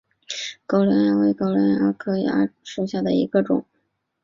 高梁蚜为常蚜科色蚜属下的一个种。